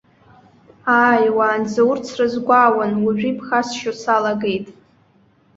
Ааи, уаанӡа урҭ срызгәаауан, уажәы иԥхасшьо салагеит.